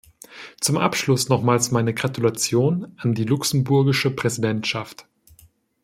Zum Abschluss nochmals meine Gratulation an die luxemburgische Präsidentschaft.